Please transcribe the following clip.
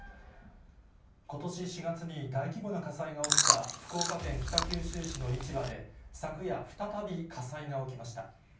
ことし４月に大規模な火災が起きた福岡県北九州市の市場で、昨夜、再び火災が起きました。